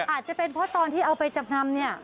อาจจะเป็นเพราะตอนที่เอาไปจำนำเนี่ย